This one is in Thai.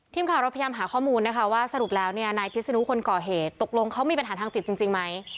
ทีมข่าวเราพยายามหาข้อมูลนะคะว่าสรุปแล้วเนี่ยนายพิศนุคนก่อเหตุตกลงเขามีปัญหาทางจิตจริงไหม